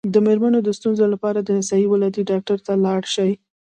د میرمنو د ستونزو لپاره د نسایي ولادي ډاکټر ته لاړ شئ